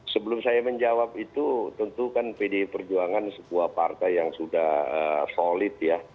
sebelum saya menjawab itu tentu kan pdi perjuangan sebuah partai yang sudah solid ya